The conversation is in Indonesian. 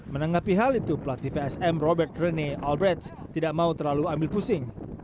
menanggapi hal itu pelatih psm robert rene alberts tidak mau terlalu ambil pusing